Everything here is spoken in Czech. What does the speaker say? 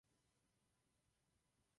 Co pak čeká Evropskou unii?